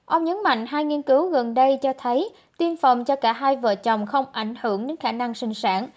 ông nhấn mạnh hai nghiên cứu gần đây cho thấy tiêm phòng cho cả hai vợ chồng không ảnh hưởng đến khả năng sinh sản